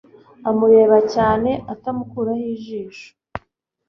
amureba cyane atamukuraho ijisho